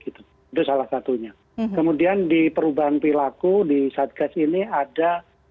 itu salah satunya kemudian di perubahan perilaku di satgas ini ada